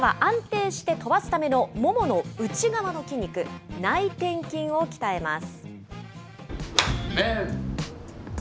けさは安定して飛ばすためのももの内側の筋肉、内転筋を鍛えます。